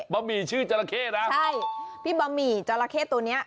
หมี่ชื่อจราเข้นะใช่พี่บะหมี่จราเข้ตัวเนี้ย